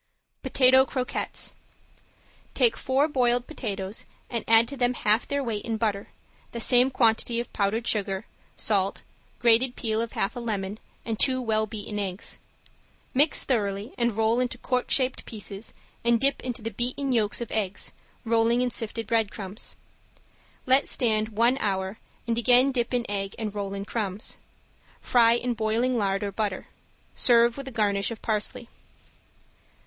~POTATO CROQUETTES~ Take four boiled potatoes and add to them half their weight in butter, the same quantity of powdered sugar, salt, grated peel of half a lemon and two well beaten eggs. Mix thoroughly and roll into cork shaped pieces and dip into the beaten yolks of eggs, rolling in sifted breadcrumbs. Let stand one hour and again dip in egg and roll in crumbs. Fry in boiling lard or butter. Serve with a garnish of parsley.